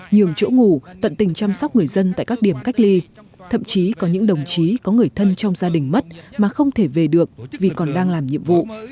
nhường chỗ ngủ tận tình chăm sóc người dân tại các điểm cách ly thậm chí có những đồng chí có người thân trong gia đình mất mà không thể về được vì còn đang làm nhiệm vụ